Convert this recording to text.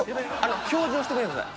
表示押してみてください。